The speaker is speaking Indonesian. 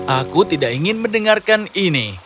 aku tidak ingin mendengarkan ini